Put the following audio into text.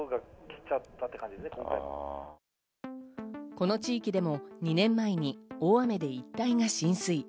この地域でも２年前に大雨で一帯が浸水。